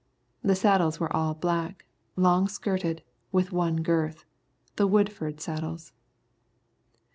The saddles were all black, long skirted, with one girth, the Woodford saddles.